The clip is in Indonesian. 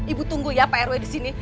ibu tunggu ya pak rue disini